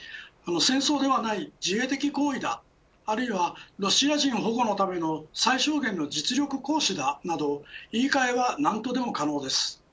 戦争ではない自衛的行為だあるいはロシア人保護のための最小限の実力行使だと言い換えは何とでも可能です。